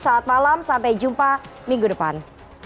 selamat malam sampai jumpa minggu depan